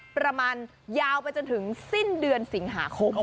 ประมาณยาวไปจนถึงสิ้นเดือนสิงหาคม